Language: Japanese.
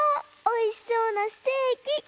おいしそうなステーキ！